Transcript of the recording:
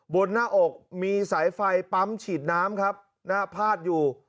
หน้าอกมีสายไฟปั๊มฉีดน้ำครับนะฮะพาดอยู่